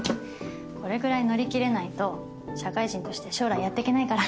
これぐらい乗り切れないと社会人として将来やっていけないから。